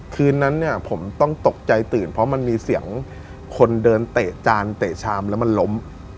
คืนนั้นเนี่ยผมต้องตกใจตื่นเพราะมันมีเสียงคนเดินเตะจานเตะชามแล้วมันล้ม